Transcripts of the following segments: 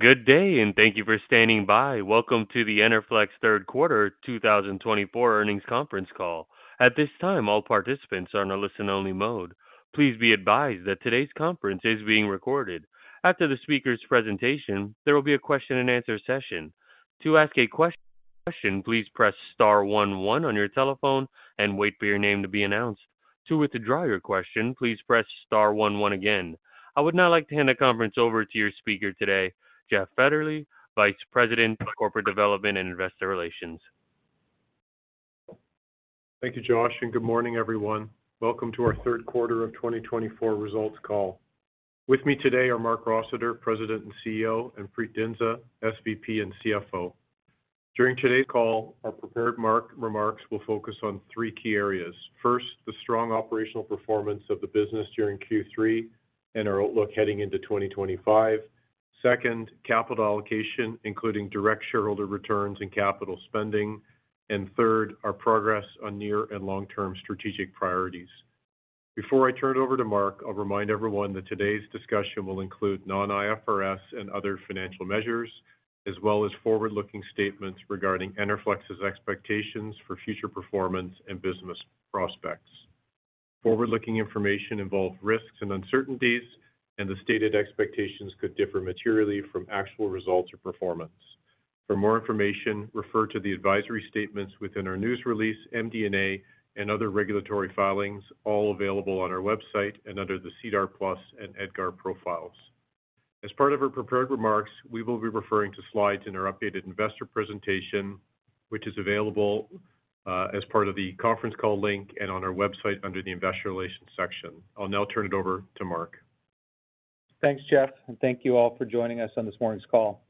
Good day, and thank you for standing by. Welcome to the Enerflex Third Quarter 2024 earnings conference call. At this time, all participants are in a listen-only mode. Please be advised that today's conference is being recorded. After the speaker's presentation, there will be a question-and-answer session. To ask a question, please press star 11 on your telephone and wait for your name to be announced. To withdraw your question, please press star 11 again. I would now like to hand the conference over to your speaker today, Jeff Fetterly, Vice President of Corporate Development and Investor Relations. Thank you, [Josh], and good morning, everyone. Welcome to our Third Quarter of 2024 results call. With me today are Marc Rossiter, President and CEO, and Preet Dhindsa, SVP and CFO. During today's call, our prepared remarks will focus on three key areas. First, the strong operational performance of the business during Q3 and our outlook heading into 2025. Second, capital allocation, including direct shareholder returns and capital spending. And third, our progress on near and long-term strategic priorities. Before I turn it over to Marc, I'll remind everyone that today's discussion will include non-IFRS and other financial measures, as well as forward-looking statements regarding Enerflex's expectations for future performance and business prospects. Forward-looking information involves risks and uncertainties, and the stated expectations could differ materially from actual results or performance. For more information, refer to the advisory statements within our news release, MD&A, and other regulatory filings, all available on our website and under the SEDAR+ and EDGAR profiles. As part of our prepared remarks, we will be referring to slides in our updated investor presentation, which is available as part of the conference call link and on our website under the investor relations section. I'll now turn it over to Marc. Thanks, Jeff, and thank you all for joining us on this morning's call.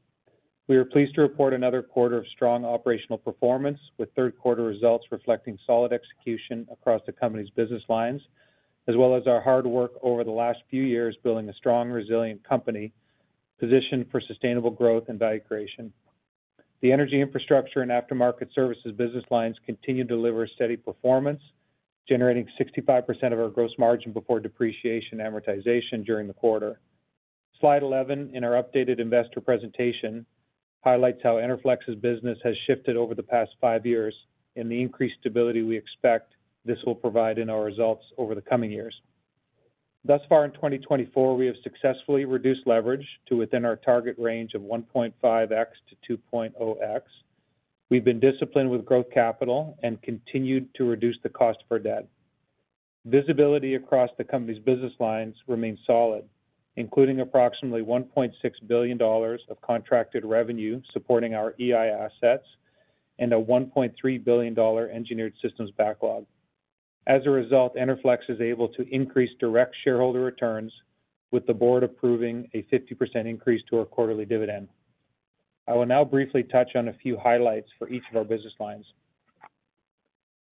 We are pleased to report another quarter of strong operational performance, with third-quarter results reflecting solid execution across the company's business lines, as well as our hard work over the last few years building a strong, resilient company positioned for sustainable growth and value creation. The energy infrastructure and aftermarket services business lines continue to deliver steady performance, generating 65% of our gross margin before depreciation amortization during the quarter. Slide 11 in our updated investor presentation highlights how Enerflex's business has shifted over the past five years and the increased stability we expect this will provide in our results over the coming years. Thus far, in 2024, we have successfully reduced leverage to within our target range of 1.5x-2.0x. We've been disciplined with growth capital and continued to reduce the cost of debt. Visibility across the company's business lines remains solid, including approximately $1.6 billion of contracted revenue supporting our EI assets and a $1.3 billion Engineered Systems backlog. As a result, Enerflex is able to increase direct shareholder returns, with the board approving a 50% increase to our quarterly dividend. I will now briefly touch on a few highlights for each of our business lines.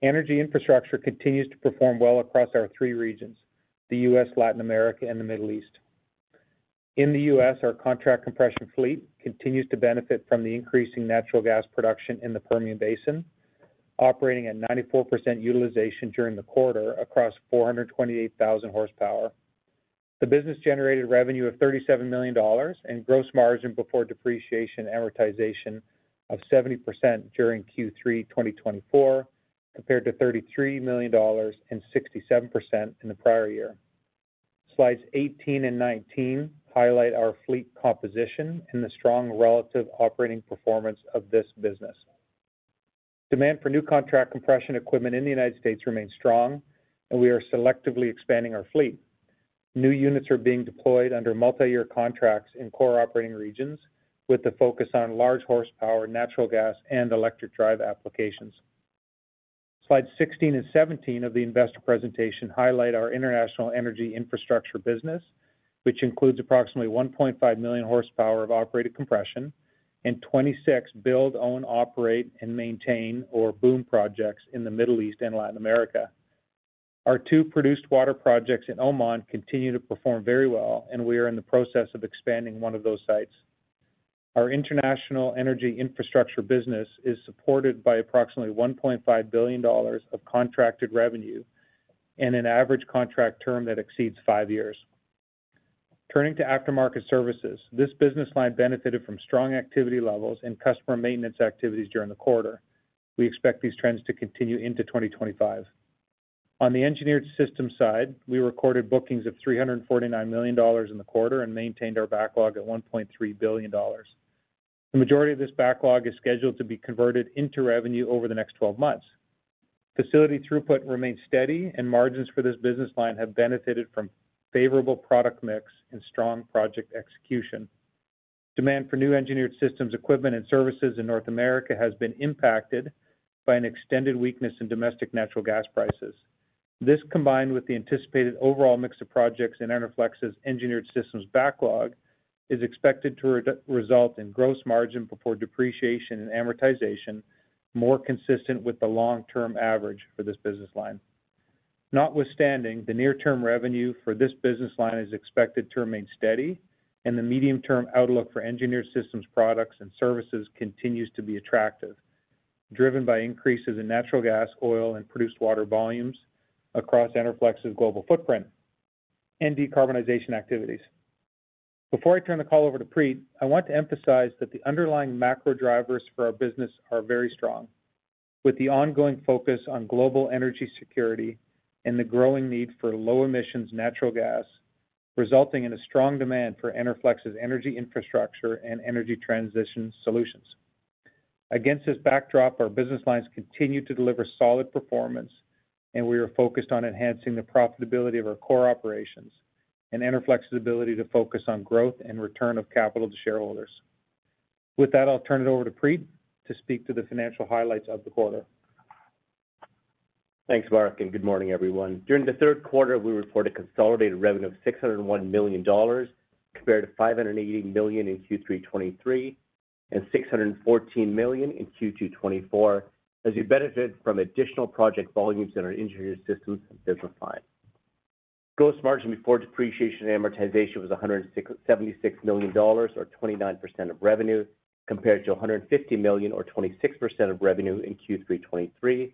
Energy Infrastructure continues to perform well across our three regions: the U.S., Latin America, and the Middle East. In the U.S., our contract compression fleet continues to benefit from the increasing natural gas production in the Permian Basin, operating at 94% utilization during the quarter across 428,000 horsepower. The business-generated revenue of $37 million and gross margin before depreciation amortization of 70% during Q3 2024 compared to $33 million and 67% in the prior year. Slides 18 and 19 highlight our fleet composition and the strong relative operating performance of this business. Demand for new contract compression equipment in the United States remains strong, and we are selectively expanding our fleet. New units are being deployed under multi-year contracts in core operating regions, with the focus on large horsepower, natural gas, and electric drive applications. Slides 16 and 17 of the investor presentation highlight our international energy infrastructure business, which includes approximately 1.5 million horsepower of operated compression and 26 build, own, operate, and maintain, or BOOM, projects in the Middle East and Latin America. Our two produced water projects in Oman continue to perform very well, and we are in the process of expanding one of those sites. Our international energy infrastructure business is supported by approximately $1.5 billion of contracted revenue and an average contract term that exceeds five years. Turning to aftermarket services, this business line benefited from strong activity levels and customer maintenance activities during the quarter. We expect these trends to continue into 2025. On the engineered system side, we recorded bookings of $349 million in the quarter and maintained our backlog at $1.3 billion. The majority of this backlog is scheduled to be converted into revenue over the next 12 months. Facility throughput remains steady, and margins for this business line have benefited from favorable product mix and strong project execution. Demand for new engineered systems, equipment, and services in North America has been impacted by an extended weakness in domestic natural gas prices. This, combined with the anticipated overall mix of projects in Enerflex's engineered systems backlog, is expected to result in gross margin before depreciation and amortization more consistent with the long-term average for this business line. Notwithstanding, the near-term revenue for this business line is expected to remain steady, and the medium-term outlook for engineered systems, products, and services continues to be attractive, driven by increases in natural gas, oil, and produced water volumes across Enerflex's global footprint and decarbonization activities. Before I turn the call over to Preet, I want to emphasize that the underlying macro drivers for our business are very strong, with the ongoing focus on global energy security and the growing need for low-emissions natural gas, resulting in a strong demand for Enerflex's energy infrastructure and energy transition solutions. Against this backdrop, our business lines continue to deliver solid performance, and we are focused on enhancing the profitability of our core operations and Enerflex's ability to focus on growth and return of capital to shareholders. With that, I'll turn it over to Preet to speak to the financial highlights of the quarter. Thanks, Marc, and good morning, everyone. During the third quarter, we reported consolidated revenue of $601 million compared to $580 million in Q3 2023 and $614 million in Q2 2024, as we benefited from additional project volumes in our Engineered Systems business line. Gross margin before depreciation and amortization was $176 million, or 29% of revenue, compared to $150 million, or 26% of revenue in Q3 2023,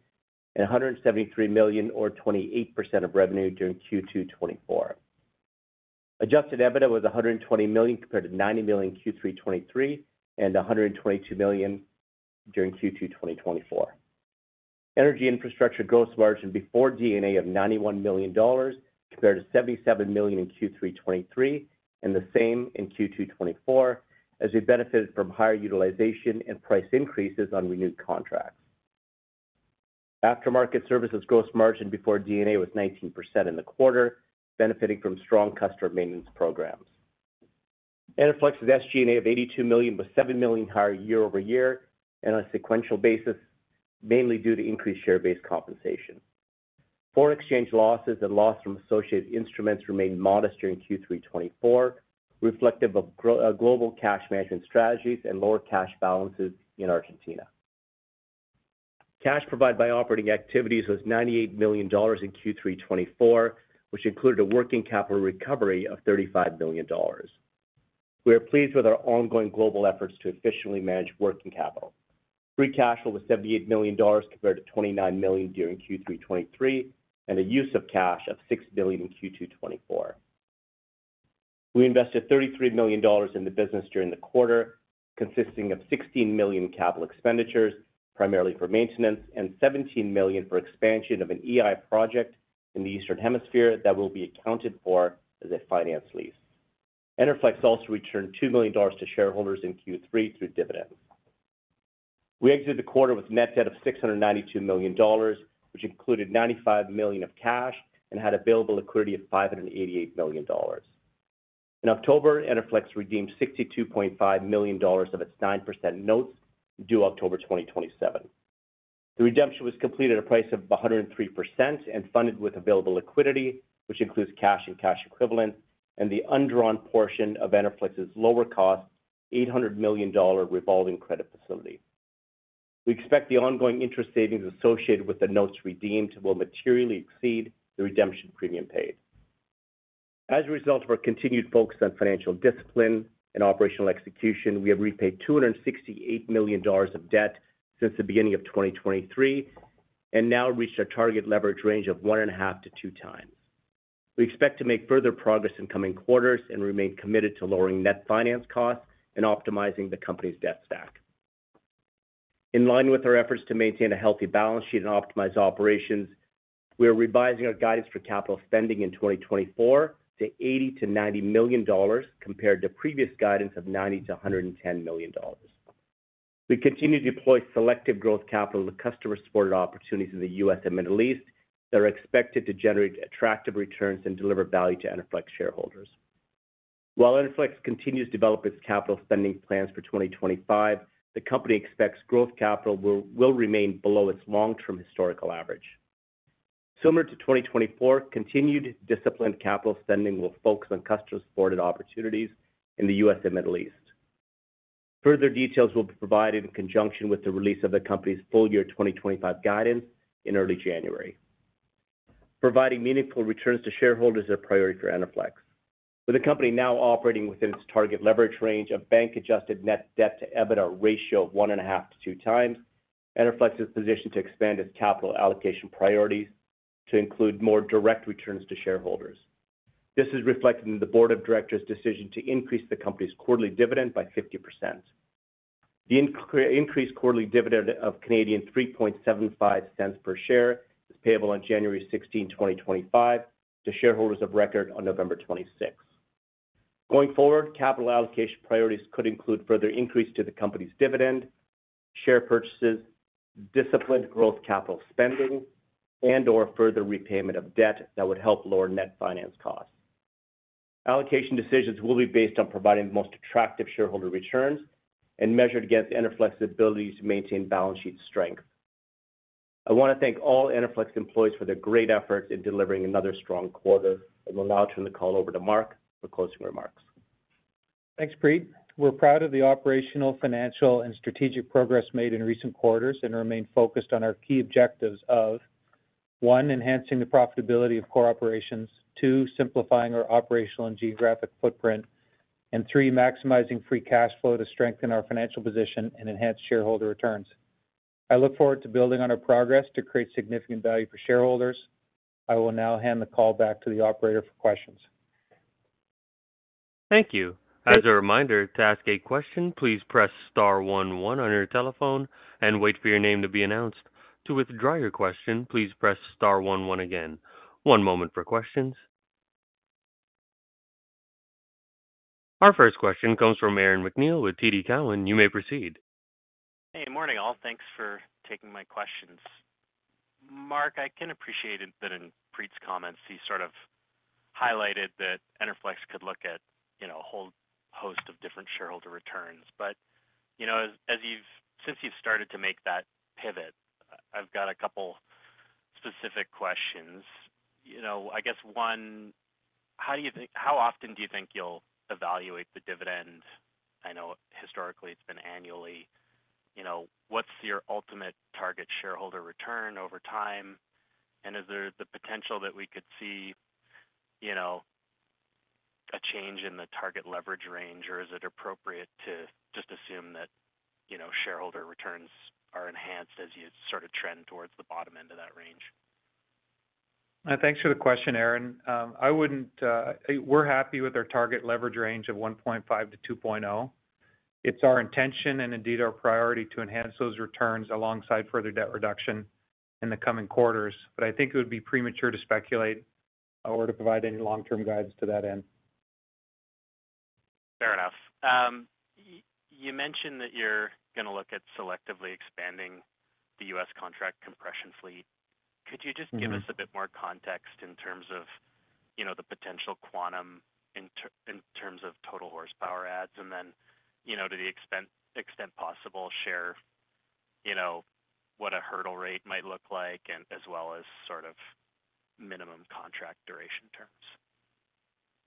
and $173 million, or 28% of revenue during Q2 2024. Adjusted EBITDA was $120 million compared to $90 million in Q3 2023 and $122 million during Q2 2024. Energy infrastructure gross margin before D&A of $91 million compared to $77 million in Q3 2023 and the same in Q2 2024, as we benefited from higher utilization and price increases on renewed contracts. Aftermarket services gross margin before D&A was 19% in the quarter, benefiting from strong customer maintenance programs. Enerflex's SG&A of $82 million was $7 million higher year-over-year and on a sequential basis, mainly due to increased share-based compensation. Foreign exchange losses and loss from associated instruments remained modest during Q3 2024, reflective of global cash management strategies and lower cash balances in Argentina. Cash provided by operating activities was $98 million in Q3 2024, which included a working capital recovery of $35 million. We are pleased with our ongoing global efforts to efficiently manage working capital. Free cash flow was $78 million compared to $29 million during Q3 2023 and a use of cash of $6 billion in Q2 2024. We invested $33 million in the business during the quarter, consisting of $16 million in capital expenditures, primarily for maintenance, and $17 million for expansion of an EI project in the Eastern Hemisphere that will be accounted for as a finance lease. Enerflex also returned $2 million to shareholders in Q3 through dividends. We exited the quarter with a net debt of $692 million, which included $95 million of cash and had available liquidity of $588 million. In October, Enerflex redeemed $62.5 million of its 9% notes due October 2027. The redemption was completed at a price of 103% and funded with available liquidity, which includes cash and cash equivalent, and the undrawn portion of Enerflex's lower-cost $800 million revolving credit facility. We expect the ongoing interest savings associated with the notes redeemed will materially exceed the redemption premium paid. As a result of our continued focus on financial discipline and operational execution, we have repaid $268 million of debt since the beginning of 2023 and now reached our target leverage range of one and a half to two times. We expect to make further progress in coming quarters and remain committed to lowering net finance costs and optimizing the company's debt stack. In line with our efforts to maintain a healthy balance sheet and optimize operations, we are revising our guidance for capital spending in 2024 to $80 million-$90 million compared to previous guidance of $90 million-$110 million. We continue to deploy selective growth capital to customer-supported opportunities in the U.S. and Middle East that are expected to generate attractive returns and deliver value to Enerflex shareholders. While Enerflex continues to develop its capital spending plans for 2025, the company expects growth capital will remain below its long-term historical average. Similar to 2024, continued disciplined capital spending will focus on customer-supported opportunities in the U.S. and Middle East. Further details will be provided in conjunction with the release of the company's full year 2025 guidance in early January. Providing meaningful returns to shareholders is a priority for Enerflex. With the company now operating within its target leverage range of bank-adjusted net debt to EBITDA ratio of one and a half to two times, Enerflex is positioned to expand its capital allocation priorities to include more direct returns to shareholders. This is reflected in the board of directors' decision to increase the company's quarterly dividend by 50%. The increased quarterly dividend of 0.0375 per share is payable on January 16, 2025, to shareholders of record on November 26. Going forward, capital allocation priorities could include further increase to the company's dividend, share purchases, disciplined growth capital spending, and/or further repayment of debt that would help lower net finance costs. Allocation decisions will be based on providing the most attractive shareholder returns and measured against Enerflex's ability to maintain balance sheet strength. I want to thank all Enerflex employees for their great efforts in delivering another strong quarter. I will now turn the call over to Marc for closing remarks. Thanks, Preet. We're proud of the operational, financial, and strategic progress made in recent quarters and remain focused on our key objectives of: one, enhancing the profitability of core operations, two, simplifying our operational and geographic footprint, and three, maximizing free cash flow to strengthen our financial position and enhance shareholder returns. I look forward to building on our progress to create significant value for shareholders. I will now hand the call back to the operator for questions. Thank you. As a reminder, to ask a question, please press star 11 on your telephone and wait for your name to be announced. To withdraw your question, please press star 11 again. One moment for questions. Our first question comes from Aaron MacNeil with TD Cowen. You may proceed. Hey, morning all. Thanks for taking my questions. Marc, I can appreciate that in Preet's comments, he sort of highlighted that Enerflex could look at a whole host of different shareholder returns. But since you've started to make that pivot, I've got a couple of specific questions. I guess, one, how often do you think you'll evaluate the dividend? I know historically it's been annually. What's your ultimate target shareholder return over time? And is there the potential that we could see a change in the target leverage range, or is it appropriate to just assume that shareholder returns are enhanced as you sort of trend towards the bottom end of that range? Thanks for the question, Aaron. We're happy with our target leverage range of 1.5-2.0. It's our intention and indeed our priority to enhance those returns alongside further debt reduction in the coming quarters. But I think it would be premature to speculate or to provide any long-term guidance to that end. Fair enough. You mentioned that you're going to look at selectively expanding the U.S. contract compression fleet. Could you just give us a bit more context in terms of the potential quantum in terms of total horsepower adds? And then, to the extent possible, share what a hurdle rate might look like, as well as sort of minimum contract duration terms. Yeah,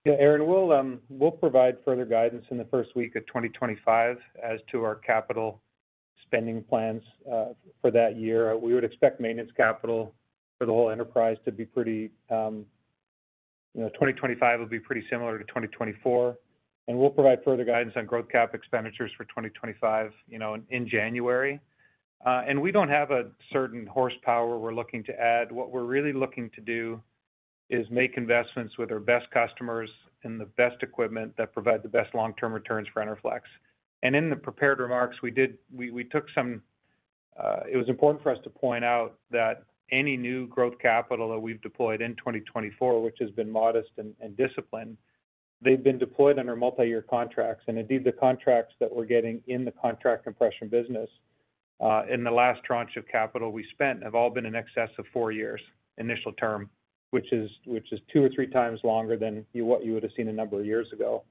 Aaron, we'll provide further guidance in the first week of 2025 as to our capital spending plans for that year. We would expect maintenance capital for the whole enterprise to be pretty. 2025 will be pretty similar to 2024. And we'll provide further guidance on growth cap expenditures for 2025 in January. And we don't have a certain horsepower we're looking to add. What we're really looking to do is make investments with our best customers and the best equipment that provide the best long-term returns for Enerflex. And in the prepared remarks, we took some, it was important for us to point out that any new growth capital that we've deployed in 2024, which has been modest and disciplined, they've been deployed under multi-year contracts. Indeed, the contracts that we're getting in the contract compression business, in the last tranche of capital we spent, have all been in excess of four years, initial term, which is two or three times longer than what you would have seen a number of years ago.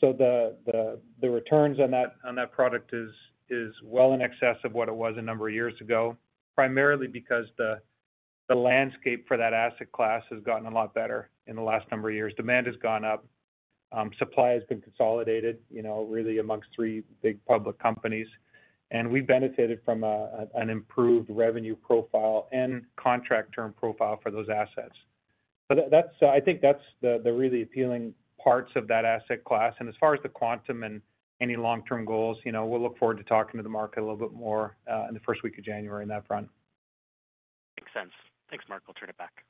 The returns on that product are well in excess of what it was a number of years ago, primarily because the landscape for that asset class has gotten a lot better in the last number of years. Demand has gone up. Supply has been consolidated, really, amongst three big public companies. We've benefited from an improved revenue profile and contract term profile for those assets. I think that's the really appealing parts of that asset class. As far as the quantum and any long-term goals, we'll look forward to talking to the market a little bit more in the first week of January on that front. Makes sense. Thanks, Marc. I'll turn it back.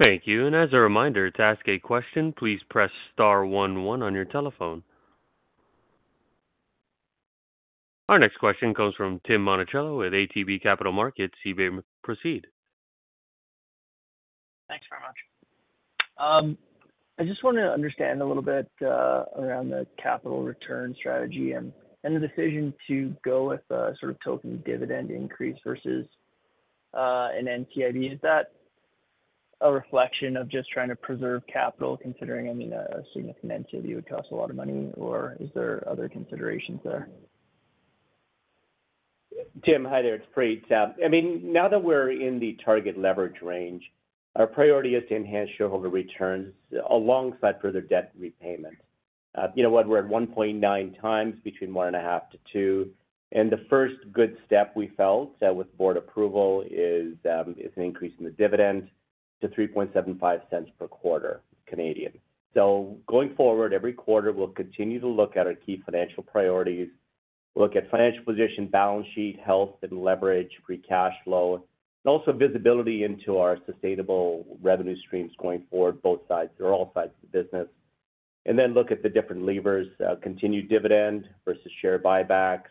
Thank you. And as a reminder, to ask a question, please press star 11 on your telephone. Our next question comes from Tim Monchello with ATB Capital Markets. He may proceed. Thanks very much. I just want to understand a little bit around the capital return strategy and the decision to go with a sort of token dividend increase versus an NCIB. Is that a reflection of just trying to preserve capital, considering, I mean, a significant NCIB would cost a lot of money, or are there other considerations there? Tim, hi there. It's Preet. I mean, now that we're in the target leverage range, our priority is to enhance shareholder returns alongside further debt repayment. You know what? We're at 1.9 times between one and a half to two. And the first good step we felt with board approval is an increase in the dividend to 0.0375 per quarter. So going forward, every quarter, we'll continue to look at our key financial priorities, look at financial position, balance sheet, health and leverage, free cash flow, and also visibility into our sustainable revenue streams going forward, both sides or all sides of the business. And then look at the different levers: continued dividend versus share buybacks,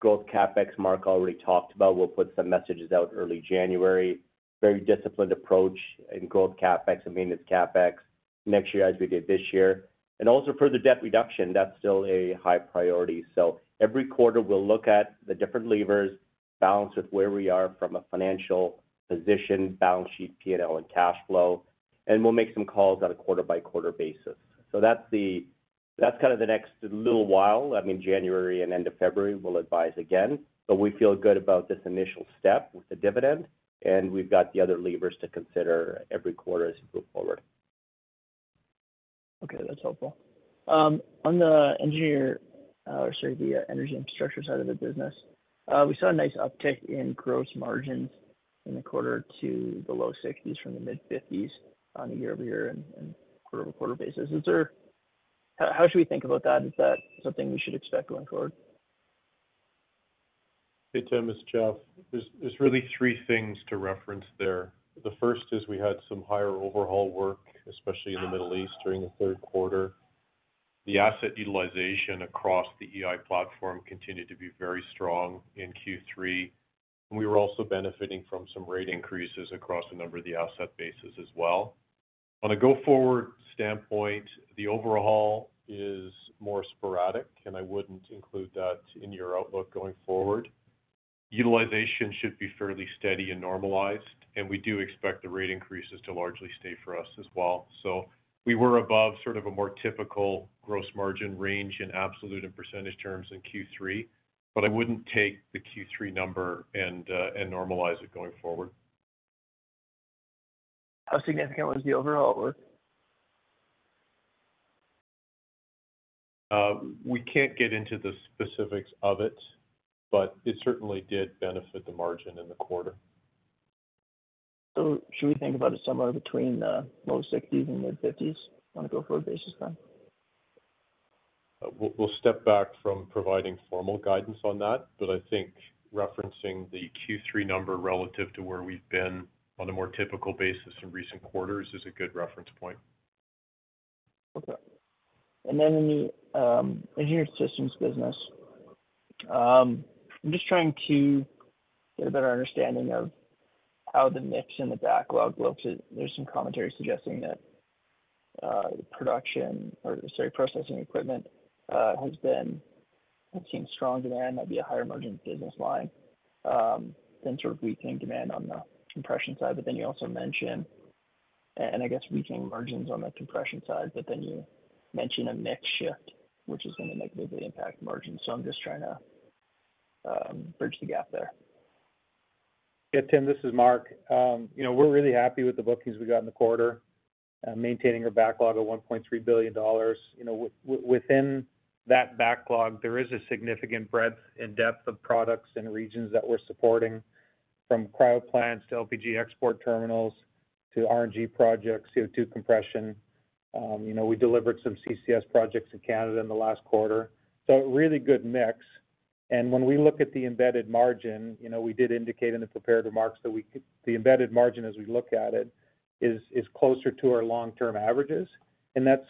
growth CapEx, Mark already talked about. We'll put some messages out early January, very disciplined approach in growth CapEx and maintenance CapEx next year as we did this year. And also further debt reduction, that's still a high priority. So every quarter, we'll look at the different levers, balance with where we are from a financial position, balance sheet, P&L, and cash flow. And we'll make some calls on a quarter-by-quarter basis. So that's kind of the next little while. I mean, January and end of February, we'll advise again. But we feel good about this initial step with the dividend. And we've got the other levers to consider every quarter as we move forward. Okay. That's helpful. On the Energy Infrastructure side of the business, we saw a nice uptick in gross margins in the quarter to the low 60s% from the mid-50s% on a year-over-year and quarter-over-quarter basis. How should we think about that? Is that something we should expect going forward? Hey, Tim, this is Jeff. There's really three things to reference there. The first is we had some higher overhaul work, especially in the Middle East during the third quarter. The asset utilization across the EI platform continued to be very strong in Q3, and we were also benefiting from some rate increases across a number of the asset bases as well. On a go-forward standpoint, the overhaul is more sporadic, and I wouldn't include that in your outlook going forward. Utilization should be fairly steady and normalized, and we do expect the rate increases to largely stay for us as well, so we were above sort of a more typical gross margin range in absolute and percentage terms in Q3, but I wouldn't take the Q3 number and normalize it going forward. How significant was the overhaul work? We can't get into the specifics of it, but it certainly did benefit the margin in the quarter. So should we think about a number between the low 60s and mid-50s on a going-forward basis then? We'll step back from providing formal guidance on that. But I think referencing the Q3 number relative to where we've been on a more typical basis in recent quarters is a good reference point. Okay. Then in the Engineered Systems business, I'm just trying to get a better understanding of how the mix in the backlog looks. There's some commentary suggesting that production, or sorry, processing equipment, has seen strong demand, maybe a higher margin business line, then sort of weakening demand on the compression side. But then you also mention, and I guess weakening margins on the compression side, but then you mention a mix shift, which is going to negatively impact margins. I'm just trying to bridge the gap there. Yeah, Tim, this is Marc. We're really happy with the bookings we got in the quarter, maintaining our backlog of $1.3 billion. Within that backlog, there is a significant breadth and depth of products and regions that we're supporting, from cryoplants to LPG export terminals to RNG projects, CO2 compression. We delivered some CCS projects in Canada in the last quarter, so a really good mix, and when we look at the embedded margin, we did indicate in the prepared remarks that the embedded margin, as we look at it, is closer to our long-term averages, and that's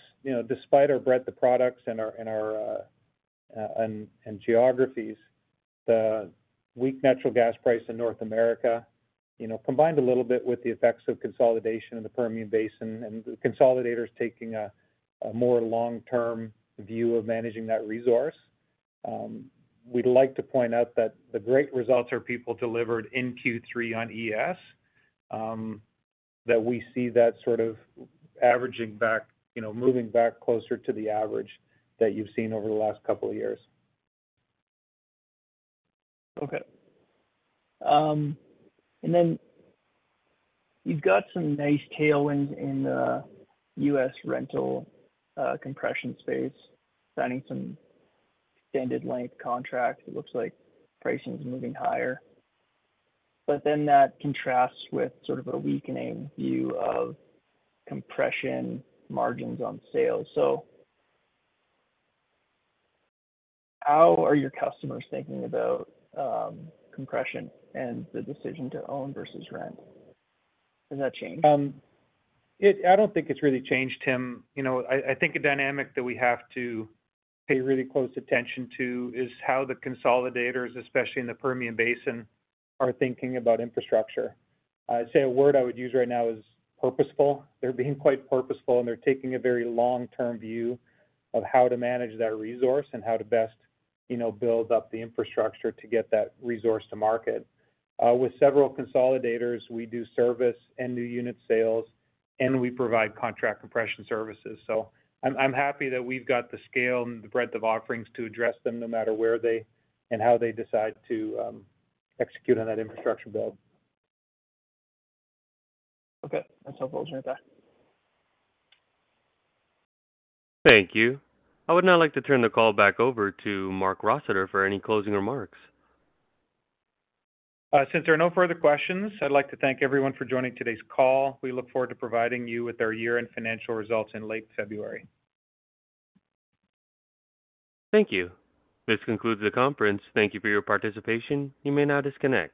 despite our breadth of products and geographies, the weak natural gas price in North America, combined a little bit with the effects of consolidation in the Permian Basin and consolidators taking a more long-term view of managing that resource. We'd like to point out that the great results our people delivered in Q3 on ES, that we see that sort of averaging back, moving back closer to the average that you've seen over the last couple of years. Okay. And then you've got some nice tailwinds in the U.S. rental compression space, signing some extended-length contracts. It looks like pricing is moving higher. But then that contrasts with sort of a weakening view of compression margins on sales. So how are your customers thinking about compression and the decision to own versus rent? Has that changed? I don't think it's really changed, Tim. I think a dynamic that we have to pay really close attention to is how the consolidators, especially in the Permian Basin, are thinking about infrastructure. I'd say a word I would use right now is purposeful. They're being quite purposeful, and they're taking a very long-term view of how to manage that resource and how to best build up the infrastructure to get that resource to market. With several consolidators, we do service and new unit sales, and we provide contract compression services. So I'm happy that we've got the scale and the breadth of offerings to address them no matter where they and how they decide to execute on that infrastructure build. Okay. That's helpful to hear that. Thank you. I would now like to turn the call back over to Marc Rossiter for any closing remarks. Since there are no further questions, I'd like to thank everyone for joining today's call. We look forward to providing you with our year-end financial results in late February. Thank you. This concludes the conference. Thank you for your participation. You may now disconnect.